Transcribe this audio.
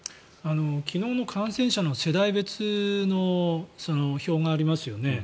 昨日の感染者の世代別の表がありますよね。